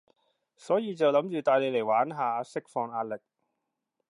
所以就諗住帶你嚟玩下，釋放壓力